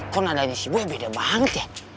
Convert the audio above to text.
kok nadaanis si gue beda banget ya